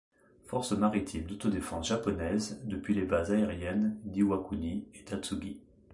Force maritime d'autodéfense japonaise, depuis les bases aériennes d'Iwakuni et d'Atsugi.